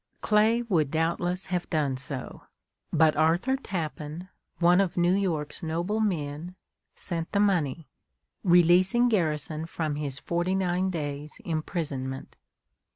Clay would doubtless have done so, but Arthur Tappan, one of New York's noble men, sent the money, releasing Garrison from his forty nine days' imprisonment.